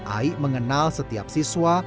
aik mengenal setiap siswa